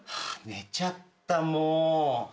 寝ちゃったもう。